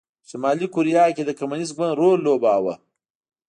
په شلي کوریا کې د کمونېست ګوند رول لوباوه.